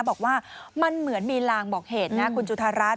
บอกว่ามันเหมือนมีลางบอกเหตุนะคุณจุธารัฐ